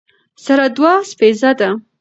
سره دوه څپیزه ده.